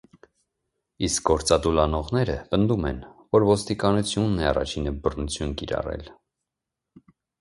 Իսկ գործադուլ անողները պնդում են, որ ոստիկանությունն է առաջինը բռնություն կիրառել։